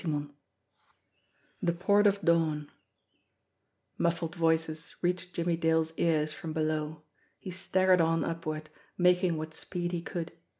XXIX THE PORT OF DAWN MUFFLED voices reached Jimmie Dale's ears from below. He staggered on upward, making what speed he could.